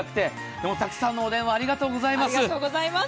でもたくさんのお電話ありがとうございます。